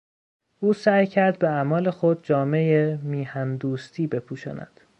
او سعی کرد به اعمال خود جامهی میهن دوستی بپوشاند.